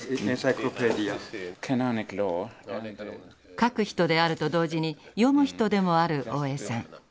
書く人であると同時に読む人でもある大江さん。